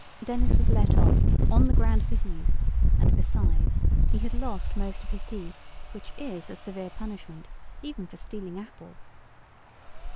Denis was let off, on the ground of his youth, and, besides, he had lost most of his teeth, which is a severe punishment, even for stealing apples.